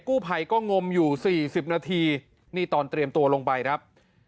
กู้ภัยก็งมอยู่๔๐นาทีนี่ตอนเตรียมตัวลงไปครับ